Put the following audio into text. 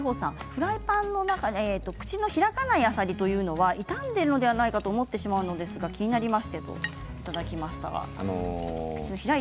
フライパンの中で口が開かないあさりというのは傷んでいるのではないかと思ってしまうのですが気になりましてといただきました。